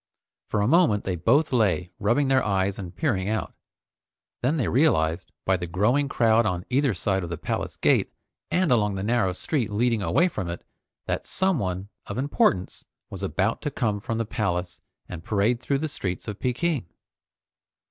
For a moment they both lay rubbing their eyes and peering out. Then they realized, by the growing crowd on either side of the palace gate and along the narrow street leading away from it, that someone of importance was about to come from the palace and parade through the streets of Peking.